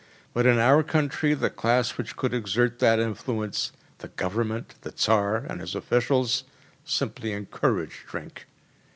But in our country the class which could exert that influence the Government, the Tsar and his officials simply encourage drink.